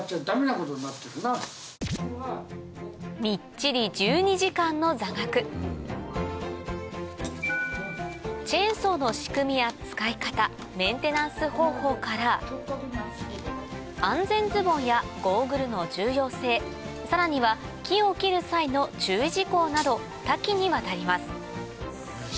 みっちりチェーンソーの仕組みや使い方メンテナンス方法から安全ズボンやゴーグルの重要性さらには木を切る際の注意事項など多岐にわたります